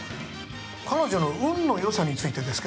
彼女の運のよさについてです